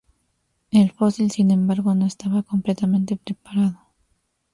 El fósil, sin embargo, no estaba completamente preparado.